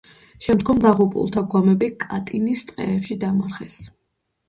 შემდგომ დაღუპულთა გვამები კატინის ტყეებში დამარხეს.